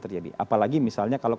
terjadi apalagi misalnya kalau